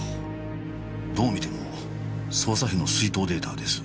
どう見ても捜査費の出納データです。